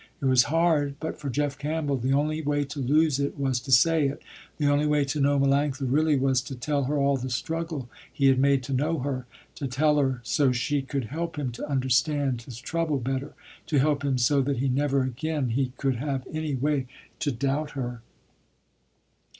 It was hard, but for Jeff Campbell the only way to lose it was to say it, the only way to know Melanctha really, was to tell her all the struggle he had made to know her, to tell her so she could help him to understand his trouble better, to help him so that never again he could have any way to doubt her.